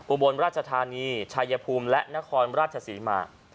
อุบลราชธานีชายภูมิและนครราชศรีมา